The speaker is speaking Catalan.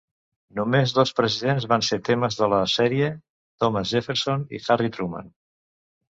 Només dos presidents van ser temes de la sèrie: Thomas Jefferson i Harry Truman.